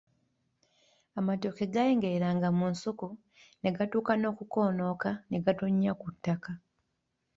Amatooke gayengereranga mu nsuku, ne gatuuka n'okukoonoka ne gatonnya ku ttaka.